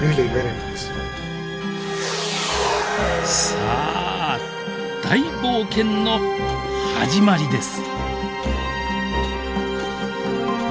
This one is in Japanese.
さあ大冒険の始まりです！